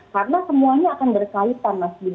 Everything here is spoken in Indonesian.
karena semuanya akan bersaipan